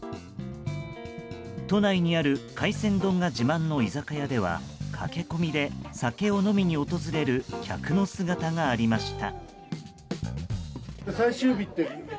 都内にある海鮮丼が自慢の居酒屋では駆け込みで酒を飲みに訪れる客の姿がありました。